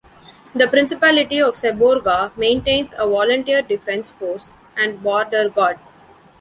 The Principality of Seborga maintains a volunteer defence force and border guard.